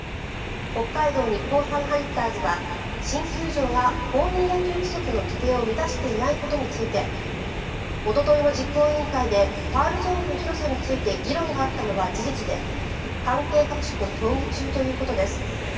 北海道日本ハムファイターズは新球場が公認野球規則の規定を満たしていないことについておとといの実行委員会でファウルゾーンの広さについて議論があったのは事実で関係各所と協議中ということです。